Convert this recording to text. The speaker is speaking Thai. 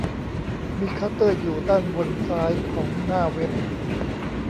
มีเคาน์เตอร์อยู่ด้านบนซ้ายของหน้าเว็บ